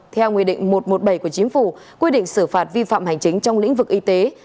theo nguyên định một trăm một mươi bảy của chính phủ quy định xử phạt vi phạm hành chính trong lĩnh vực y tế